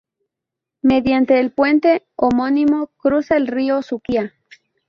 Mediante el puente homónimo, cruza el río Suquía.